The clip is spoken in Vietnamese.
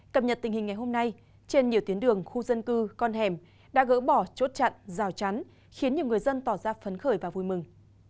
cập nhật tình hình ngày hôm nay trên nhiều tuyến đường khu dân cư con hẻm đã gỡ bỏ chốt chặn rào chắn khiến nhiều người dân tỏ ra phấn khởi và vui mừng